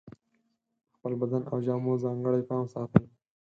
په خپل بدن او جامو ځانګړی پام ساتي.